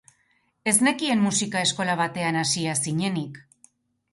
Ez nekien musika eskola batean hasia zinenik....